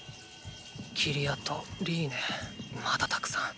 キリヤトリーネまだたくさん。